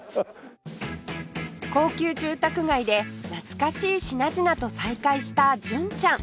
高級住宅街で懐かしい品々と再会した純ちゃん